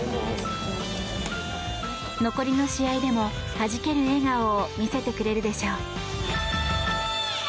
残りの試合でも、はじける笑顔を見せてくれるでしょう。